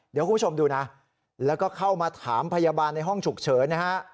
เดี๋ยวคุณผู้ชมดูนะแล้วก็เข้ามาถามพยาบาลในห้องฉุกเฉินนะฮะ